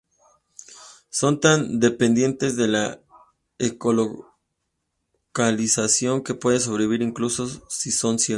Son tan dependientes de la eco-localización que pueden sobrevivir incluso si son ciegos.